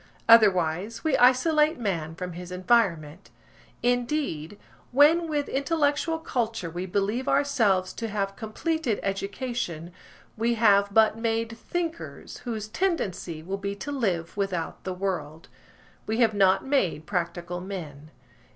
Otherwise, we isolate man from his environment. Indeed, when with intellectual culture we believe ourselves to have completed education, we have but made thinkers, whose tendency will be to live without the world. We have not made practical men.